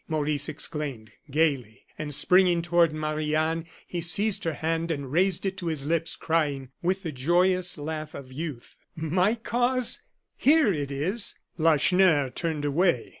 Maurice exclaimed, gayly; and, springing toward Marie Anne, he seized her hand and raised it to his lips, crying, with the joyous laugh of youth: "My cause here it is!" Lacheneur turned away.